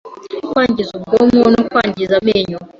kwangiza ubwonko no kwangiza amenyo